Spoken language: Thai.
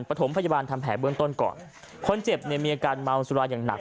ประถมพยาบาลทำแผลเบื้องต้นก่อนคนเจ็บเนี่ยมีอาการเมาสุราอย่างหนัก